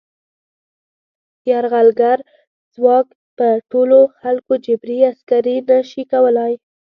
یرغلګر ځواک په ټولو خلکو جبري عسکري نه شي کولای.